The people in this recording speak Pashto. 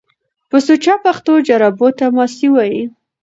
په سوچه پښتو جرابو ته ماسۍ وايي